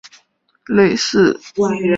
它的结构与氯胺类似。